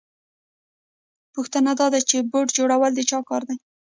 پوښتنه دا ده چې بوټ جوړول د چا کار دی